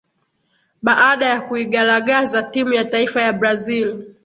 baada ya kuigalagaza timu ya taifa ya brazil